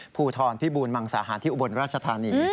ภูทรพิบูรมังสาหารที่อุบลราชธานี